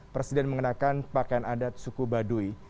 presiden mengenakan pakaian adat suku baduy